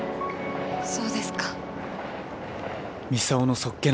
そうですか。